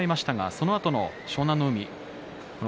そのあとの湘南乃